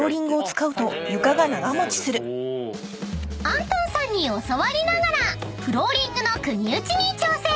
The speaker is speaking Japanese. ［アントンさんに教わりながらフローリングの釘打ちに挑戦］